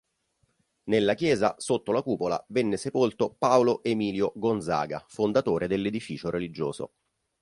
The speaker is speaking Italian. Nella chiesa, sotto la cupola, venne sepolto Paolo Emilio Gonzaga, fondatore dell'edificio religioso.